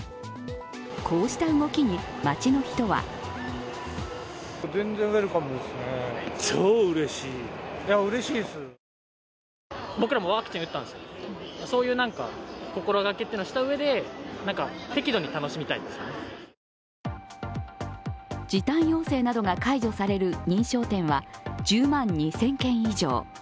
こうした動きに街の人は時短要請などが解除される認証店は１０万２０００軒以上。